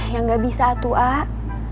yang gak bisa tuh ah